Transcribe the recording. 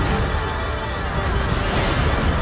tidak perlu menyerang